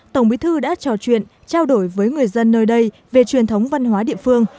tổng bí thư đã trò chuyện trao đổi với người dân nơi đây về truyền thống văn hóa địa phương